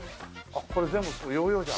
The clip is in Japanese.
あっこれ全部ヨーヨーじゃん。